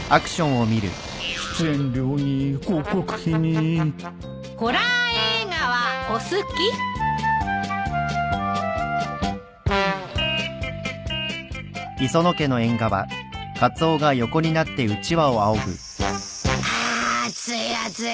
出演料に広告費にあ暑い暑い。